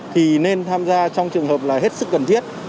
thì nên tham gia trong trường hợp là hết sức cần thiết